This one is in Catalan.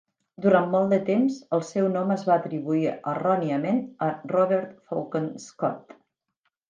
Durant molt temps, el seu nom es va atribuir erròniament a Robert Falcon Scott.